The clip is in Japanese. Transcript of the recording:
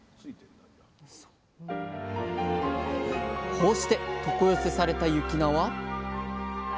こうして床寄せされた雪菜はあら。